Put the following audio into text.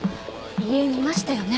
遺影見ましたよね？